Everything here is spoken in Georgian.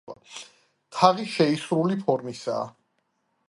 თაღი შეისრული ფორმისაა.